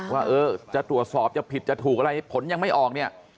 ว่าจะตรวจสอบจะผิดจะถูกอะไรผลยังไม่ออกเนี่ย